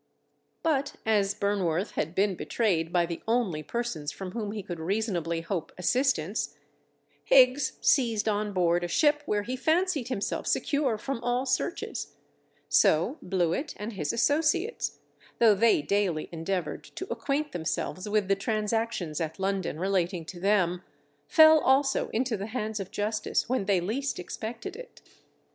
But as Burnworth had been betrayed by the only persons from whom he could reasonably hope assistance; Higgs seized on board a ship where he fancied himself secure from all searches; so Blewit and his associates, though they daily endeavoured to acquaint themselves with the transactions at London relating to them, fell also into the hands of Justice, when they least expected it.